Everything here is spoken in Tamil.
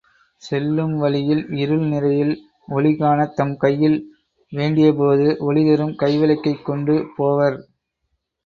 செல்லும் வழியில் இருள் நிறையில் ஒளி காணத் தம் கையில்வேண்டியபோது ஒளிதரும் கைவிளக்கைக்கொண்டு போவர்.